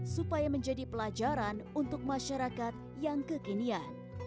supaya menjadi pelajaran untuk masyarakat yang kekinian